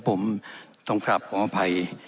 ผมต้องกลับขออภัย